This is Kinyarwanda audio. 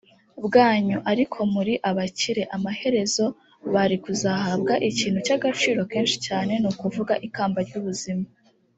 bwanyu ariko muri abakire amaherezo bari kuzahabwa ikintu cy agaciro kenshi cyane ni ukuvuga ikamba ry ubuzima